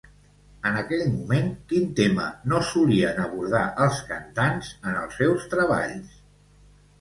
En aquell moment, quin tema no solien abordar els cantants en els seus treballs?